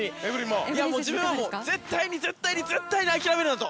自分は絶対に絶対に絶対に諦めるなと。